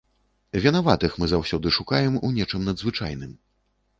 Вінаватых мы заўсёды шукаем у нечым надзвычайным.